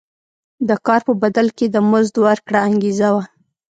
د کار په بدل کې د مزد ورکړه انګېزه وه.